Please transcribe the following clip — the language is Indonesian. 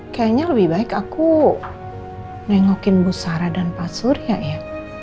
kayaknya lebih baik aku nengokin busara dan pak surya ya